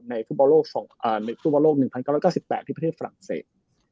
ในฟุ่มป่าวโลก๑๙๙๘ที่ประเทศฝรั่งเศส